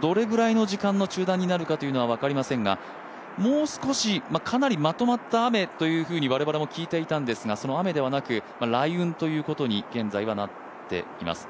どれぐらいの時間の中断になるかというのは分かりませんがもう少し、かなりまとまった雨というふうに我々も聞いていたんですがその雨ではなく雷雲ということに現在はなっています。